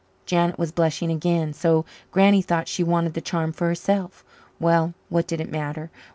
Janet was blushing again. So Granny thought she wanted the charm for herself! Well, what did it matter?